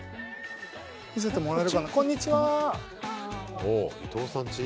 見せてもらえるかな？